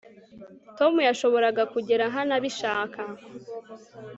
Tom yashoboraga kugera hano abishaka